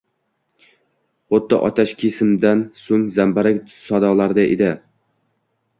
Xuddi otashkesimdan so’ng zambarak sadolarida edi.